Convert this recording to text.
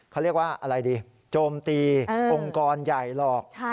เขาเรียกว่าอะไรดีโจมตีองค์กรใหญ่หรอก